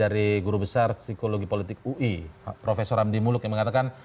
dari guru besar psikologi politik ui prof hamdi muluk yang mengatakan